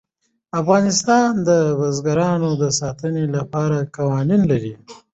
افغانستان د بزګانو د ساتنې لپاره قوانین لري.